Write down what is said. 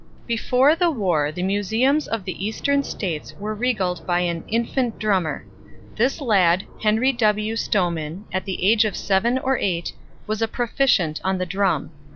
Before the war the museums of the Eastern States were regaled by an "Infant Drummer." This lad, Harry W. Stowman, at the age of seven or eight, was a proficient on the drum.